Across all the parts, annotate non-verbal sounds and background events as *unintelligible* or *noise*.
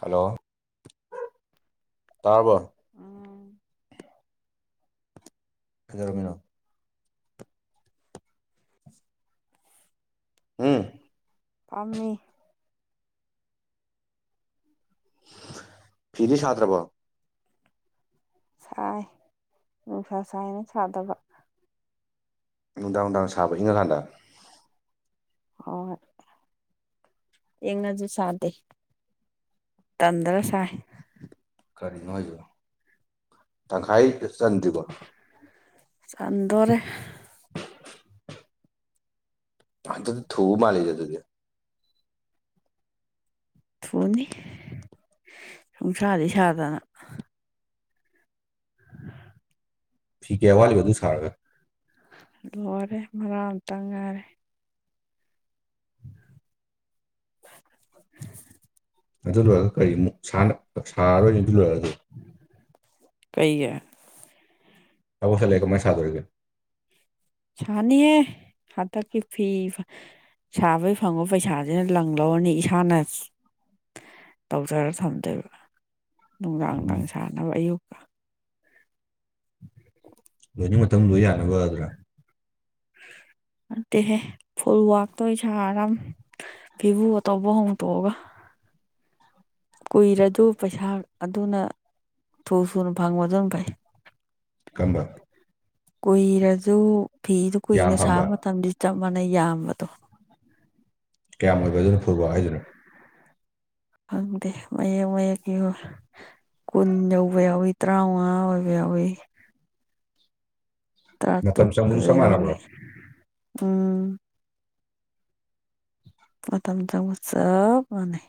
Hello ꯇꯔꯔꯕꯣ ꯎꯝ ꯀꯩꯗꯧꯔꯃꯤꯅꯣ ꯍꯨꯝ꯫ ꯐꯝꯃꯤ꯫ ꯐꯤꯗꯤ ꯁꯥꯗꯔꯕꯣ ꯁꯥꯏ ꯅꯨꯡꯁꯥ ꯁꯥꯏꯅ ꯁꯥꯗꯕ꯫ ꯅꯨꯡꯗꯥꯡ ꯅꯨꯡꯗꯥꯡ ꯁꯥꯕ ꯏꯪꯉꯀꯥꯟꯗ꯫ ꯍꯣꯍꯣꯢ꯫ ꯏꯪꯑꯥꯁꯨ ꯁꯥꯗꯦ ꯇꯟꯗꯔꯒꯥ ꯁꯥꯏ ꯀꯔꯤꯅꯣ ꯍꯥꯏꯕꯣ ꯇꯪꯈꯥꯏ ꯆꯟꯗ꯭ꯔꯤꯕ ꯆꯟꯗꯣꯔꯦ ꯑꯗꯨꯗꯤ ꯊꯨ ꯃꯥꯂꯤꯗꯦ ꯑꯗꯨꯗꯤ ꯊꯨꯅꯤ ꯁꯨꯡꯁꯥꯗꯤ ꯁꯥꯗꯅ ꯐꯤ ꯀꯌꯥ ꯋꯥꯠꯂꯤꯕ ꯑꯗꯨ ꯁꯥꯔꯒ꯫ ꯂꯣꯏꯔꯦ ꯃꯔꯥꯛ ꯑꯝꯇꯪ ꯉꯥꯏꯔꯦ꯫ ꯑꯗꯨ ꯂꯣꯏꯔꯒ ꯀꯔꯤꯃꯨꯛ ꯁꯥꯔꯣꯏꯅꯦ ꯑꯗꯨ ꯂꯣꯏꯔꯒꯗꯤ ꯀꯩꯒꯤ꯫ ꯊꯕꯛ ꯆꯠ ꯂꯩꯔ ꯀꯃꯥꯢ ꯁꯥꯗꯣꯔꯤꯒꯦ꯫ ꯁꯥꯅꯤꯍꯦ ꯍꯟꯗꯛꯀꯤ ꯐꯤ ꯁꯥꯕꯩ ꯐꯪꯕ ꯄꯩꯁꯥꯁꯤꯅ ꯂꯪ ꯂꯧꯔꯅꯤ ꯏꯁꯥꯅ ꯇꯧꯖꯔ ꯊꯝꯗꯣꯏꯕ ꯅꯨꯡꯗꯥꯡ ꯎꯝ ꯅꯨꯡꯗꯥꯡ ꯁꯥꯅꯕ ꯑꯌꯨꯛꯀ꯫ ꯂꯣꯏꯅꯤꯡ ꯃꯇꯝ ꯂꯣꯏ ꯌꯥꯅꯕ ꯑꯗꯨꯔꯥ꯫ ꯑꯗꯨꯠꯇꯦꯍꯦ ꯐꯨꯜ ꯋꯥꯛꯇꯣ ꯁꯥꯔ ꯐꯤꯕꯨ ꯑ ꯇꯧꯕ ꯍꯣꯡꯇꯣꯛꯑꯒ ꯀꯨꯏꯔꯗꯨ ꯄꯩꯁꯥ ꯑꯗꯨꯅ ꯊꯨ ꯁꯨꯅ ꯐꯪꯕꯗꯨꯅ ꯐꯩ꯫ ꯀꯝꯕ ꯀꯨꯏꯔꯖꯨ ꯐꯤꯗꯨ ꯌꯥꯝ ꯀꯨꯏꯅ ꯁꯥꯕ ꯐꯪꯕ ꯃꯇꯝꯗ ꯆꯞ ꯃꯥꯟꯅꯩ ꯌꯥꯝꯕꯗꯣ꯫ ꯀꯌꯥꯝ ꯑꯣꯏꯕ ꯑꯗꯨꯅ ꯐꯨꯜꯋꯥꯛ ꯍꯥꯏꯗꯨꯅꯣ꯫ ꯈꯪꯗꯦ ꯃꯌꯦꯛ ꯃꯌꯦꯛ *unintelligible* ꯀꯨꯟ ꯌꯧꯕ ꯌꯥꯎꯋꯤ ꯇꯔꯥ ꯃꯉꯥ ꯑꯣꯏꯕ ꯌꯥꯎꯏ꯫ ꯑꯗꯨꯝ ꯆꯪꯕꯁꯨ ꯆꯞ ꯇꯇꯕꯔ ꯑꯣꯏꯦ ꯃꯥꯟꯅꯕ꯭ꯔꯣ ꯎꯝ ꯃꯇꯝ ꯆꯪꯕ ꯆꯞ ꯃꯥꯅꯩ꯫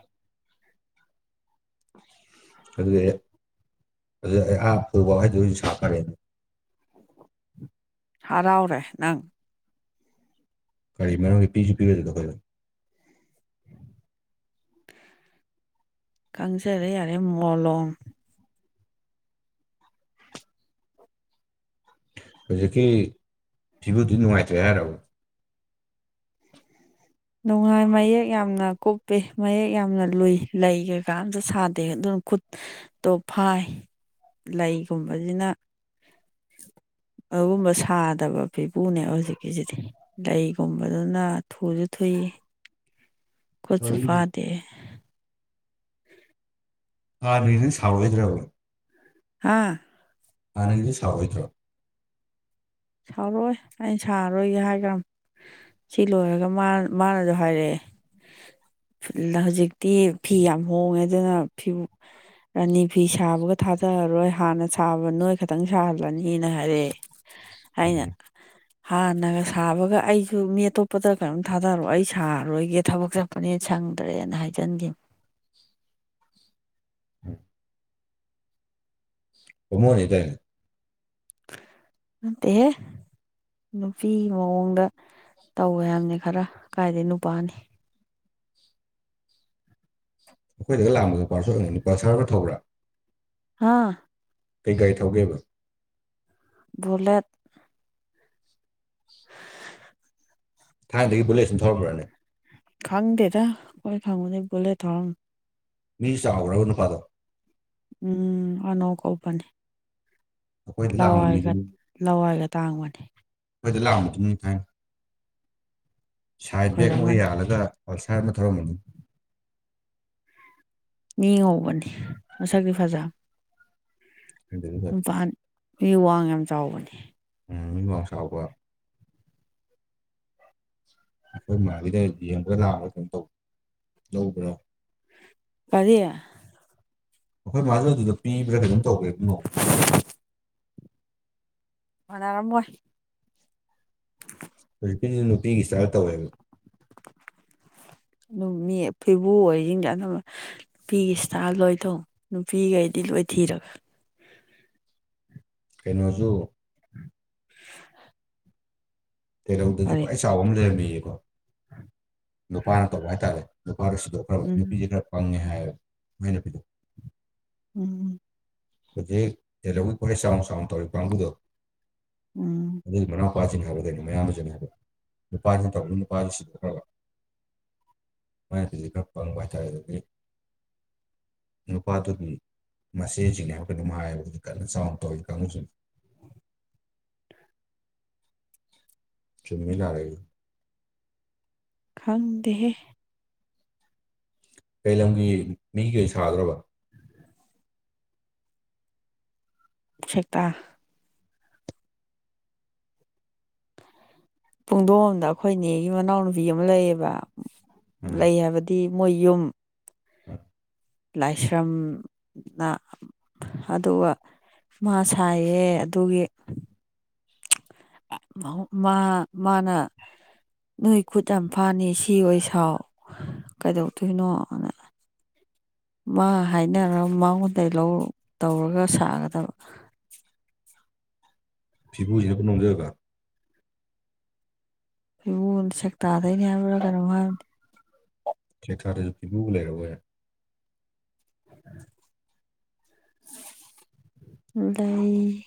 ꯑꯗꯨꯗꯤ ꯑꯗꯨ ꯑꯩ ꯑꯥ ꯐꯨꯐꯥꯎ ꯍꯗ ꯍꯧꯖꯤꯛ ꯁꯥꯈꯔꯦꯅꯦ ꯍꯔꯥꯎꯔꯦ ꯅꯪ ꯀꯥꯔꯤ ꯃꯔꯝꯒꯤ ꯄꯤꯁꯨ ꯄꯤꯔꯣꯗꯕꯗ ꯑꯩꯈꯣꯏꯗ ꯀꯪꯖꯔꯦ ꯌꯥꯔꯦ ꯃꯂꯝ ꯍꯧꯖꯤꯛꯀꯤ ꯐꯤꯕꯨꯗꯤ ꯅꯨꯡꯉꯥꯏꯇ꯭ꯔꯦ ꯍꯥꯏꯔꯣ ꯅꯨꯡꯉꯥꯏ ꯃꯥꯌꯦꯛ ꯌꯥꯝꯅ ꯀꯨꯞꯄꯤ ꯃꯥꯌꯦꯛ ꯌꯥꯝꯅ ꯂꯨꯏ ꯂꯩ ꯀꯩꯀꯥ ꯑꯃꯇ ꯁꯥꯗꯦ ꯑꯗꯨꯝ ꯈꯨꯠ ꯇꯣꯞꯐꯥꯏ ꯂꯩꯒꯨꯝꯕꯁꯤꯅ *inaudible* ꯑꯗꯨꯒꯨꯝꯕ ꯁꯥꯗꯕ ꯐꯤꯕꯨꯨꯅꯦꯕ ꯍꯧꯖꯤꯛꯀꯤꯁꯤꯗꯤ ꯂꯩꯒꯨꯝꯕꯗꯨꯅ ꯊꯨꯁꯨ ꯊꯏꯌꯦ ꯈꯨꯣꯠꯁꯨ ꯋꯥꯔꯤꯗꯤ ꯐꯥꯗꯦ ꯑꯥ ꯅꯅ ꯁꯥꯎꯔꯣꯏꯗ꯭ꯔꯕ ꯍꯥꯥ ꯍꯥꯟꯅꯒꯤꯗꯨ ꯁꯥꯎꯔꯛ ꯑꯣꯏꯗ꯭ꯔꯣ ꯁꯥꯎꯔꯑꯣꯣꯏ ꯑꯩꯅ ꯁꯥꯔꯔꯣꯏꯒꯦ ꯍꯥꯏꯈ꯭ꯔꯕ ꯁꯤ ꯂꯣꯏꯔꯒ ꯃꯥ ꯃꯥꯅꯁꯨꯣ ꯍꯥꯏꯔꯛꯑꯦ ꯍꯧꯖꯤꯛꯇꯤ ꯐꯤ ꯌꯥꯝ ꯍꯣꯡꯉꯦ ꯑꯗꯨꯅ ꯐꯤ ꯔꯥꯅꯤ ꯐꯤ ꯁꯥꯕꯒ ꯊꯥꯗꯔꯔꯣꯏ ꯍꯥꯟꯅ ꯁꯥꯕ ꯅꯣꯏ ꯇꯪ ꯁꯥꯍꯜꯂꯅꯤꯅ ꯍꯥꯏꯔꯛꯑꯦ ꯍꯥꯏꯅ *inaudible* ꯍꯥꯟꯅꯒ ꯁꯥꯕꯒ ꯑꯩꯁꯨ ꯃꯤ ꯑꯇꯣꯞꯄꯗ ꯀꯔꯤꯝ ꯊꯥꯗꯔꯛꯑꯣ ꯑꯩ ꯁꯥꯔꯣꯏꯒꯦ ꯊꯕꯛꯁꯦ ꯐꯅ ꯁꯪꯗ꯭ꯔꯦꯅ ꯍꯥꯏꯖꯟꯈꯤꯕ ꯎꯣꯏ ꯑꯣꯃꯣꯅꯤꯗ ꯑꯠꯇꯍꯦ ꯅꯨꯄꯤ ꯃꯑꯣꯡꯗ ꯇꯧꯋꯦ ꯍꯥꯏꯕꯅꯤ ꯈꯔ ꯀꯥꯏꯗꯩ ꯅꯨꯄꯥꯅꯤ ꯑꯩꯈꯣꯏꯒ ꯂꯥꯛꯝꯕꯗ ꯄꯔꯁꯜꯅꯤ ꯄꯔꯁꯔꯒ ꯊꯧꯕ꯭ꯔꯥ ꯍꯥꯥ ꯀꯩ ꯒꯥꯔꯤ ꯊꯧꯒꯦꯕ ꯕꯂꯦꯠ ꯊꯥꯏꯅꯗꯒꯤ ꯕꯨꯂꯦꯠꯟ ꯊꯧꯔꯛ꯭ꯔꯅꯤ ꯈꯪꯗꯦꯗ ꯑꯩꯈꯣꯏ ꯈꯪꯕꯗꯥꯗꯤ ꯕꯨꯂꯦꯠ ꯊꯧꯔꯝꯃꯦ ꯃꯤꯁꯨ ꯆꯥꯎꯔꯕ ꯅꯨꯄꯥꯗꯣ ꯎꯝ ꯑꯅꯧ ꯀꯅꯤ ꯑꯩꯈꯣꯏꯗ ꯂꯥꯛꯑꯝꯕ ꯂꯑꯣꯒ ꯃꯤꯗꯨꯅꯤ ꯂꯋꯥꯏꯒ ꯇꯥꯡꯕꯅꯦ ꯑꯩꯣꯏꯗ ꯂꯥꯛꯑꯕ ꯃꯇꯨꯡꯅꯤ ꯊꯥꯏꯅ ꯁꯥꯏꯠ ꯕꯦꯛ ꯑꯃꯒ ꯑꯣꯏꯔꯝꯃꯅꯤ ꯌꯥꯜꯂꯒ ꯄꯜꯁꯥꯔ ꯑꯃ ꯊꯧꯔꯝꯕꯅꯤ ꯃꯤ ꯉꯧꯕꯅꯤ ꯃꯁꯛꯇꯤ ꯐꯖꯥꯕꯅꯦ ꯎꯝ ꯅꯨꯄꯥꯅꯤ ꯃꯤ ꯋꯥꯡ ꯌꯥꯝ ꯆꯥꯎꯕꯥꯅꯦ ꯎꯝ ꯃꯤ ꯋꯥꯥꯡ ꯆꯥꯎꯕꯔꯣ ꯑꯩꯈꯣꯏ ꯃꯥꯒꯤꯗ ꯍꯦꯛ ꯌꯦꯡꯕ ꯂꯥꯛꯑꯒ ꯀꯩꯅꯣ ꯇꯧ ꯂꯧꯕ꯭ꯔꯣ ꯀꯥꯔꯤ ꯑꯩꯈꯣꯏ ꯃꯥꯗꯨꯅ ꯑꯗꯨꯗ ꯄꯤꯕ꯭ꯔꯥ ꯀꯩꯅꯣꯝ ꯇꯧꯕꯅꯦ ꯃꯥꯟꯅꯔꯝꯃꯣꯏ ꯍꯧꯖꯤꯛꯒꯤꯁꯤꯁꯨ ꯅꯨꯄꯤꯒꯤ ꯢꯁꯇꯥꯜ ꯇꯧꯋꯦꯕ *unintelligible* ꯑꯗꯨꯝ ꯃꯤ ꯐꯤꯕꯨ ꯑꯣꯏꯁꯤꯡꯖ *inaudible* ꯅꯨꯄꯤꯒꯤ ꯏꯁꯇꯥꯐ ꯂꯣꯏ ꯇꯧ ꯅꯨꯄꯤꯈꯩꯗꯤ ꯂꯣꯏ ꯊꯤꯔꯕꯅꯦ ꯀꯩꯅꯣꯖꯨ *inaudible* ꯀꯩꯩꯅꯧꯗꯁꯨ ꯀꯔꯤ ꯈ꯭ꯋꯥꯏ ꯆꯥꯎꯕ ꯑꯃ ꯂꯩꯔꯝꯃꯤꯌꯦꯀꯣ ꯅꯨꯄꯥꯅ ꯇꯧꯕ ꯍꯥꯏꯇꯥꯔꯦ ꯅꯨꯄꯥꯗꯁꯨ ꯎꯝ ꯅꯨꯄꯤꯁꯦ ꯈꯔ ꯐꯪꯉꯦ ꯍꯥꯏꯌꯦꯕ ꯃꯥꯏ ꯅꯨꯄꯤꯗꯣ ꯎꯝ ꯍꯧꯖꯤꯛ *inaudible* ꯆꯥꯎ-ꯆꯥꯎ ꯇꯧꯔꯤꯕ ꯀꯥꯡꯕꯨꯗꯣ ꯎꯝ ꯑꯗꯨꯗꯤ ꯃꯅꯥꯎꯄꯥꯁꯤꯅ *inaudible* ꯍꯥꯏꯕꯗꯩꯅꯣ ꯃꯌꯥꯝꯕꯁꯤꯅ ꯍꯥꯏꯕ ꯅꯨꯄꯥꯁꯤꯅ ꯇꯧꯕꯅ ꯅꯨꯄꯥꯗꯨ ꯁꯤꯗꯣꯛꯈ꯭ꯔꯕ ꯃꯥꯢ ꯅꯨꯄꯤꯗꯨꯅ ꯈꯔ ꯄꯪꯕ ꯍꯥꯏꯇꯥꯔꯦ ꯑꯗꯨꯗꯤ ꯅꯨꯄꯥꯗꯨꯒꯤ ꯃꯥꯆꯦꯖꯤꯡꯅꯦ ꯍꯥꯏꯕ꯭ꯔꯥ ꯀꯩꯅꯣꯝ ꯍꯥꯏ ꯍꯧꯖꯤꯛ ꯀꯟꯅ ꯆꯥꯎꯅ ꯇꯧꯔꯤ ꯀꯥꯡꯕꯨꯨꯁꯦ ꯆꯨꯝꯃꯤꯔ ꯂꯥꯜꯔꯤꯔ ꯈꯪꯗꯦꯍꯦ ꯀꯩ ꯂꯝꯒꯤ ꯃꯤꯒꯤ ꯑꯣꯢꯅ ꯁꯥꯗꯧꯔꯕ ꯁꯦꯛꯇꯥ ꯄꯨꯡꯗꯣꯕꯝꯗ ꯑꯩꯈꯣꯏꯅꯦꯒꯤ ꯃꯅꯥꯎꯅꯨꯄꯤ ꯑꯃ ꯂꯩꯌꯦꯕ ꯂꯩ ꯍꯥꯏꯕꯗꯤ ꯃꯣꯏ ꯌꯨꯝ ꯎꯝ *unintelligible* ꯂꯥꯏꯁ꯭ꯔꯝꯅ ꯑꯗꯨꯒ ꯃꯥ ꯁꯥꯏꯌꯦ ꯑꯗꯨꯒꯤ ꯃꯥ ꯃꯥꯅ ꯅꯣꯏ ꯈꯨꯠ ꯌꯥꯝ ꯐꯥꯅꯤ ꯁꯤ ꯑꯣꯏ ꯁꯥꯎ *inaudible* ꯀꯩꯗꯧꯗꯣꯏꯅꯣꯅ ꯃꯥ ꯍꯥꯏꯅꯔꯒ ꯃꯉꯣꯟꯗ ꯂꯧ ꯇꯧꯔꯒ ꯁꯥꯒꯗꯕ ꯐꯤꯕꯨꯁꯤꯅ ꯄꯨꯟꯅ *inaudible* ꯢꯄꯨꯡꯉꯣꯗꯨ ꯁꯦꯛꯇꯗꯩꯔ ꯍꯥꯏꯕ꯭ꯔꯥ ꯀꯩꯅꯣꯝ ꯍꯥꯏꯕꯅꯤ ꯁꯦꯛꯇꯥꯗꯁꯨ ꯄꯤꯕꯨ ꯂꯩꯔꯥꯕꯣꯏꯔꯦ ꯂꯩ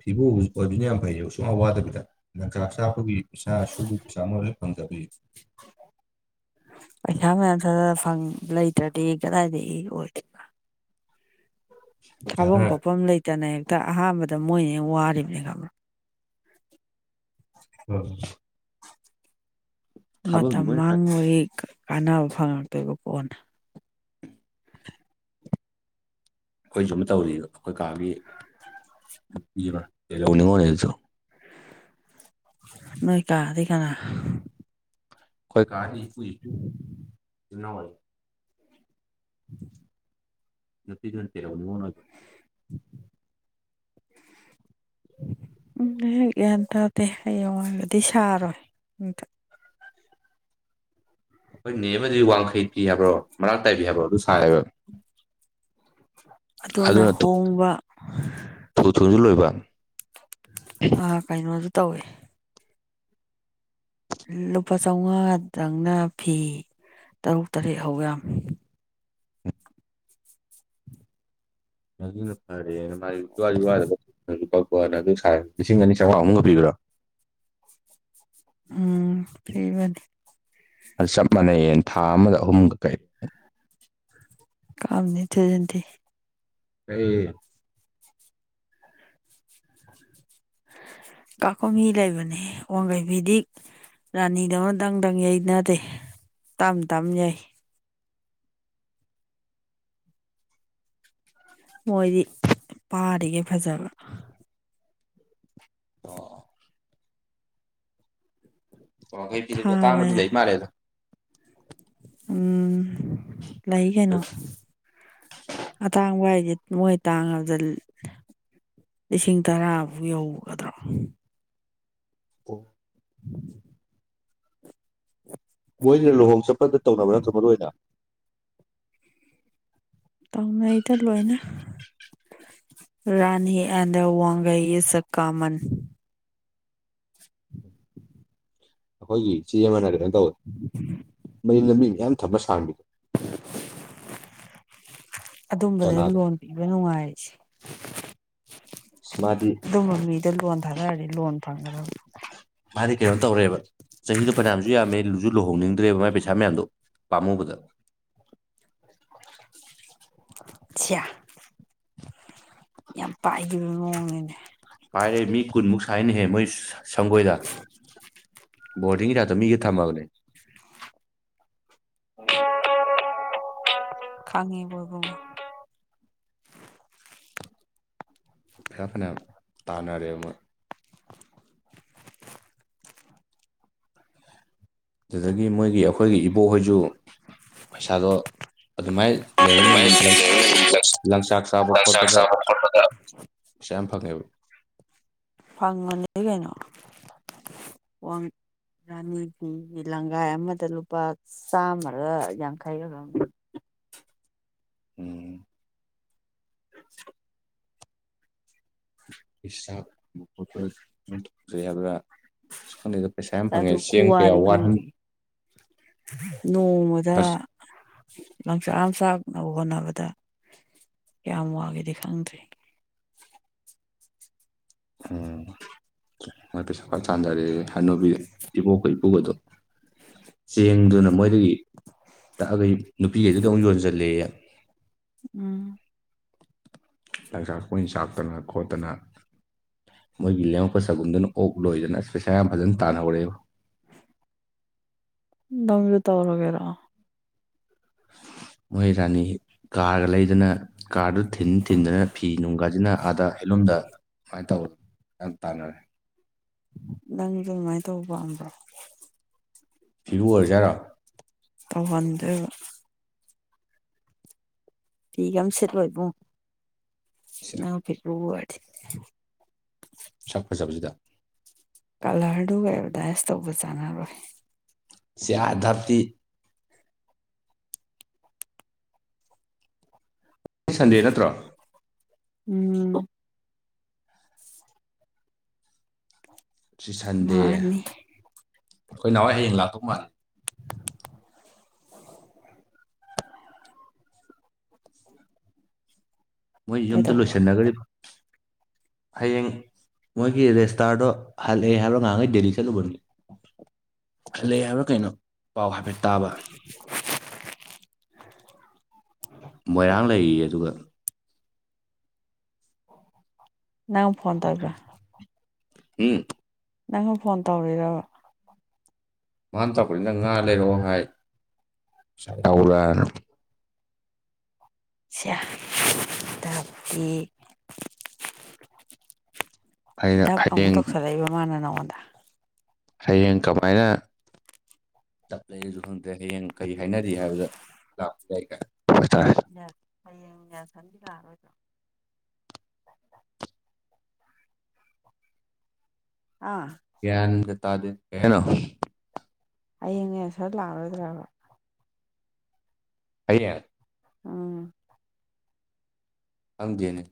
ꯐꯤꯕꯨ ꯑꯣꯏꯕꯁꯤꯅ ꯌꯥꯝ ꯐꯩꯌꯦꯕꯥ ꯁꯨꯡꯋꯥ ꯋꯥꯗꯕꯤꯗ ꯂꯪꯆꯥꯛ ꯆ꯭ꯥꯛꯄꯒꯤ ꯄꯩꯁꯥ ꯁꯨꯕꯥ ꯆꯥꯝꯕꯒꯤ ꯃꯣꯏ ꯂꯣꯏ ꯄꯥꯝꯖꯕꯤ ꯄꯩꯁꯥ ꯃꯌꯥꯝ ꯈ *inaudible* ꯐꯪ ꯂꯩꯇ꯭ꯔꯗꯤ ꯀꯗꯥꯏꯗꯒꯤ ꯑꯣꯏ ꯄꯩꯁꯥ ꯊꯥꯐꯝ ꯈꯔ ꯈꯣꯠꯐꯝ ꯂꯩꯇꯅ ꯍꯦꯛꯇ ꯑꯍꯥꯟꯕꯗ ꯃꯣꯏꯅ ꯍꯦꯟꯅ ꯋꯥꯔꯤꯕꯅꯦ ꯈꯪꯕ꯭ꯔꯥ ꯎꯝ *inaudible* ꯊꯥꯐꯝꯗꯤ ꯃꯇꯝ ꯃꯣꯏꯅ ꯃꯥꯡꯕꯒꯤ ꯀꯥꯟꯅꯕ ꯐꯪꯉꯛꯇꯣꯏꯕ ꯀꯣꯟꯅ ꯑꯩꯈꯣꯏ ꯁ ꯑꯃ ꯇꯧꯔꯤ ꯑꯩꯈꯣꯏ ꯀꯥꯒꯤ ꯅꯨꯄꯤ ꯑꯃ ꯂꯧꯅꯤꯡꯉꯣꯅꯦ ꯑꯗꯨꯁꯨ *inaudible* ꯅꯣꯏ ꯀꯥꯗꯤ ꯀꯅꯥ ꯑꯩꯈꯣꯏ ꯀꯥ ꯍ ꯏꯄꯨ ꯏꯄ ꯅꯣꯏ *inaudible* ꯎꯝ *unintelligible* ꯌꯇ ꯖꯟꯇꯦꯔ ꯃꯅ ꯑꯗꯨ *inaudible* *unintelligible* ꯎꯝ ꯒ꯭ꯌꯥꯟ ꯇꯥꯗꯦ ꯍꯌꯦꯡꯋꯥꯢꯒꯗꯤ ꯁꯥꯔꯣꯏ ꯑꯩꯈꯣꯏ ꯅꯦ ꯑꯃꯗꯤ ꯋꯥꯡꯈꯩ ꯄꯤ ꯍꯥꯏꯕ꯭ꯔꯣ ꯃꯔꯥꯛ ꯇꯥꯏꯕꯤ ꯍꯥꯏꯕ꯭ꯔꯣ ꯑꯗꯨ ꯁꯥꯏꯕ ꯑꯗꯨꯅ ꯊꯨ ꯊꯨꯁꯨ ꯂꯣꯏꯕ ꯑ ꯀꯩꯅꯣꯁꯨ ꯇꯧꯋꯦ ꯂꯨꯄꯥ ꯆꯥꯝꯃꯉꯥꯗꯪꯅ ꯐꯤ ꯇꯔꯨꯛ ꯇꯔꯦꯠ ꯍꯧ ꯌꯥꯝꯃꯦ ꯑꯗꯨꯅ ꯐꯥꯔꯦꯅ ꯃꯥꯒꯤ ꯋꯥꯛꯄꯅ *unintelligible* ꯂꯤꯁꯤꯡ ꯑꯅꯤ ꯆꯥꯝꯃꯉꯥꯃꯨꯛꯒ ꯄꯤꯕ꯭ꯔꯣ ꯎꯝ ꯐꯕꯅꯤ ꯑꯗꯨ ꯆꯞ ꯃꯥꯟꯅꯩꯌꯦ ꯊꯥ ꯑꯃꯗ ꯑꯍꯨꯝꯒ ꯀꯩ ꯀꯥꯝꯅꯤ ꯏ ꯆꯖꯗꯤ ꯑꯦ *inaudible* ꯀꯥꯈꯨꯝ ꯃꯤ ꯂꯩꯕꯅꯦ ꯋꯥꯡꯈꯩ ꯐꯤꯗꯤꯛ ꯔꯥꯅꯤꯗꯧꯅ ꯗꯪ-ꯗꯪ ꯌꯩꯅꯗꯦ ꯇꯝ ꯇꯝ ꯌꯩ ꯃꯣꯏꯗꯤ ꯄꯥꯔꯤꯒꯦ ꯐꯖꯕ ꯑꯣ ꯋꯥꯡꯈꯩ ꯐꯤꯗꯥꯁꯨ ꯊꯥꯕ ꯑꯇꯥꯡꯕꯗꯤ ꯂꯩ ꯃꯥꯜꯂꯦꯗ ꯎꯝ ꯂꯩ ꯀꯩꯅꯣ ꯑꯇꯥꯡꯕ ꯍꯥꯏꯁꯦ ꯃꯣꯏ ꯇꯥꯡꯉꯕꯗ ꯂꯤꯁꯤꯡ ꯇꯔꯥꯕꯨ ꯌꯧꯒꯗ꯭ꯔꯣ ꯑꯣ *inaudible* *inaudible* ꯃꯣꯏꯁꯤꯅ ꯂꯨꯍꯣꯡ ꯆꯠꯄꯗ ꯇꯧꯅꯕ ꯅꯠꯇ꯭ꯔꯣ ꯃꯔꯨꯑꯣꯏ ꯑꯣꯏꯅ ꯇꯧꯅꯩꯗ ꯂꯣꯏꯅ ꯔꯥꯅꯤ ꯍ ꯑꯦꯗ ꯋꯥꯒ ꯁ ꯀꯥꯃꯟ ꯑꯩꯈꯣꯏꯒꯤ ꯆꯦ ꯑꯃꯅ ꯀꯩꯅꯣ ꯇꯧꯋꯅꯤ ꯎꯝ ꯃ ꯂꯝꯕꯤ ꯃꯌꯥꯝ ꯊꯝꯕ ꯁꯍꯕꯤꯗꯣ ꯑꯗꯨꯝꯕꯗ ꯆꯅꯥ ꯂꯣꯟ ꯄꯤꯕ ꯅꯨꯡꯉꯥꯏꯔꯤꯁꯦ ꯑꯁ ꯃꯥꯗꯤ ꯑꯗꯨꯝꯕ ꯃꯤꯗ ꯂꯣꯟ ꯊꯥꯗꯔꯅꯤ ꯂꯣꯟ ꯐꯪꯒꯗꯕ ꯃꯥꯗꯤ ꯀꯩꯅꯣ ꯇꯧꯔꯦꯕ ꯆꯍꯤꯗꯣ ꯐꯅꯌꯥꯝꯁꯨ ꯌꯥꯝꯃꯦ ꯂꯨꯁꯨ ꯂꯨꯍꯣꯡꯅꯤꯡꯗ꯭ꯔꯦꯕ ꯃꯥꯏ ꯄꯩꯁꯥ ꯃꯌꯥꯝꯗꯣ ꯄꯥꯝꯃꯨꯕꯗ ꯁꯤꯌꯥ *inaudible* ꯌꯥꯝ ꯄꯥꯏꯈꯤꯕ ꯃꯑꯣꯡꯅꯤꯅꯦ ꯄꯥꯏꯔꯦ ꯃꯤ ꯀꯨꯟꯃꯨꯛ ꯁꯥꯏꯅꯍꯦ ꯃꯣꯏ ꯁꯪꯒꯣꯏꯗ ꯕꯣꯔꯗꯤꯡꯒꯤꯗꯗꯣ ꯃꯤꯒ ꯊꯝꯃꯕꯅꯦ *inaudible* *inaudible* ꯄꯩꯁꯥ ꯐꯅꯌꯥꯝ ꯇꯥꯟꯅꯔꯦꯕ ꯃꯣꯏ *inaudible* ꯑꯗꯨꯗꯒꯤ ꯃꯣꯏꯒꯤ ꯑꯩꯈꯣꯏꯒꯤ ꯏꯕꯣꯛ ꯍꯣꯏꯖꯨ ꯄꯩꯁꯥꯗꯣ ꯑꯗꯨꯃꯥꯏꯅ ꯂꯩꯃꯤꯅꯤꯅ ꯂꯪꯆꯥꯛ ꯆꯥꯕ ꯈꯣꯠꯄꯗ ꯄꯩꯁꯥ ꯌꯥꯝ ꯐꯪꯉꯦꯕ ꯐꯪꯕꯥꯅꯦꯗꯤ ꯀꯩꯅꯣ ꯔꯥꯅꯤ ꯐꯤꯒꯤ ꯂꯪꯒꯥꯏ ꯑꯃꯗ ꯂꯨꯄꯥ ꯆꯥꯝꯃꯒ ꯌꯥꯡꯈꯩꯒꯔꯝ ꯎꯝ *unintelligible* ꯄꯩꯁꯥ ꯄꯖꯩꯕ ꯁꯀꯥꯟꯂꯤꯒ ꯄꯩꯁꯥ ꯍꯐꯪꯉꯦ ꯑꯗꯨ ꯆꯦꯡ ꯀꯌꯥ ꯈꯨꯋꯥꯗꯤ ꯋꯥꯔ ꯍ ꯈꯪꯗ꯭ꯔꯤ ꯅꯣꯡꯃꯗ ꯂꯪꯆꯥꯛ ꯑꯃ ꯆꯥꯛꯅꯕ ꯍꯣꯠꯅꯕꯗ ꯀꯌꯥꯝ ꯋꯥꯒꯦꯗꯤ ꯈꯪꯗ꯭ꯔꯤ ꯑꯣ ꯉ ꯀꯩ ꯁꯀ ꯆꯥꯟꯗꯔꯦꯦ ꯍꯅꯨꯕꯤ ꯏꯕꯣꯛꯀ ꯏꯄꯨꯒꯗꯣ ꯆꯦꯡꯗꯨꯅ ꯃꯣꯏꯗꯒꯤ ꯇꯛꯑꯥꯒ ꯅꯨꯄꯤꯒꯩꯗꯨꯗ ꯑꯃꯨꯛ ꯌꯣꯟꯖꯜꯂꯦꯌꯦ ꯎꯝ ꯂꯥꯡꯁꯥꯛ ꯀꯣꯏꯟ ꯆꯥꯛꯇꯅ ꯈꯣꯠꯇꯅ ꯃꯣꯏꯒꯤ ꯂꯦꯝꯃꯛꯄ ꯁꯒꯨꯟꯗꯨꯅ ꯑꯣꯛ ꯂꯣꯏꯗꯅ ꯄꯩꯁꯥ ꯌꯥꯝ ꯐꯖꯅ ꯇꯥꯟꯅꯍꯔꯛꯦꯕ ꯇꯥꯒꯦꯔ ꯃꯣꯏ ꯔꯥꯅꯤ ꯀꯥꯔꯒ ꯂꯩꯗꯅ ꯀꯥꯔꯗꯨ ꯊꯤꯟ ꯊꯤꯟꯗꯅ ꯐꯤ ꯅꯨꯡ ꯒꯥꯁꯤꯅ ꯑꯥꯗꯥ ꯍꯦꯟꯂꯨꯝꯗ ꯁꯨꯃꯥꯏꯅ ꯇꯧꯔ ꯌꯥꯝ ꯇꯥꯟꯅꯔꯦ ꯅꯪꯗꯣ ꯑꯗꯨꯃꯥꯏꯅ ꯇꯧꯕ ꯄꯥꯝꯕ꯭ꯔꯣ ꯐꯤꯕꯨꯨ ꯑꯣꯏꯔꯖꯥꯔꯣ ꯇꯧꯍꯟꯗꯕ ꯊ ꯀꯝ ꯁꯤ ꯂ ꯑꯣꯏꯕ ꯐꯤ ꯁꯛ ꯐꯖꯕꯁꯤꯗ ꯀꯂꯔꯗꯨꯒ ꯑꯦꯕꯔꯗꯥꯏꯁ ꯇꯧꯕ ꯆꯥꯟꯅꯔꯣꯏ ꯁꯤꯑꯥ ꯗꯞꯇꯤ ꯁꯟꯗꯦ ꯅꯠꯇ꯭ꯔꯣ ꯎꯝ *inaudible* ꯁꯤ ꯁꯟꯗꯦ ꯃꯥꯅꯤ ꯑꯩꯈꯣꯏ ꯅꯥꯎ ꯍꯣꯏ ꯍꯥꯌꯦꯡ ꯂꯥꯛꯇꯧ ꯃꯥꯜꯂꯦ *inaudible* *inaudible* ꯃꯣꯏ ꯌꯨꯝꯗ ꯀꯩꯗꯧꯕ꯭ꯔꯣ ꯂꯣꯏꯁꯟꯅꯈꯔꯤꯕ ꯍꯌꯦꯡ ꯃꯣꯏꯒꯤ ꯔꯦꯁꯇꯥꯔꯗꯣ ꯍꯜꯂꯛꯑꯦ ꯍꯥꯏꯕꯅꯣ ꯉꯥꯏꯍꯈꯩ ꯗꯦꯜꯂꯤ ꯆꯠꯂꯨꯕꯅꯤ ꯂꯩ ꯍꯥꯏꯕ꯭ꯔꯥ ꯀꯩꯅꯣ ꯄꯥꯎ ꯍꯥꯏꯐꯦꯠ ꯇꯥꯕ *inaudible* ꯃꯣꯏꯔꯥꯡ ꯂꯩꯔꯤꯌꯦ ꯑꯗꯨꯒ ꯅꯪ ꯐꯣꯟ ꯇꯧꯔꯤꯕꯥ ꯍꯝ ꯅꯪꯅ ꯐꯣꯟ ꯇꯧꯔꯔꯕ ꯃꯥꯅ ꯇꯧꯄꯅꯤꯅꯪ ꯉꯥ ꯂꯩꯔꯛꯑꯣ ꯍꯥꯏ ꯌꯥꯔꯅ ꯇꯄꯤ ꯑꯩꯅ ꯗꯞ ꯑꯃꯨꯛ ꯍꯌꯦꯡ ꯇꯧꯁꯜꯂꯛꯏꯕ ꯃꯥꯅ ꯅꯉꯣꯟꯗ ꯍꯌꯦꯡ ꯀꯃꯥꯏꯅ ꯆꯞ ꯂꯩꯁꯨ ꯈꯪꯗ꯭ꯔꯦ ꯍꯌꯦꯡ ꯀꯔꯤ ꯍꯥꯏꯅꯔꯤ ꯍꯥꯏꯕꯗ ꯂꯥꯛꯄ ꯌꯥ ꯑꯩꯇꯥꯔꯦ ꯌꯥ ꯍꯌꯦꯡꯅꯦ ꯁꯟꯗꯤ ꯂꯥꯛꯑꯔꯣꯏꯗ꯭ꯔꯣ *inaudible* ꯑꯥ ꯀ꯭ꯌꯥꯟ ꯊꯇꯗ ꯀꯦꯅ ꯍꯌꯦꯡꯅꯦ ꯁꯔ ꯂꯥꯛꯂꯣꯏꯗ꯭ꯔꯕ ꯑꯩ ꯎꯝ ꯈꯪꯗꯦꯅꯦ